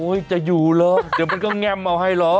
จะอยู่เหรอเดี๋ยวมันก็แง่มเอาให้เหรอ